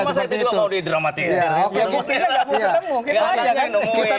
mas arti juga mau didramatisir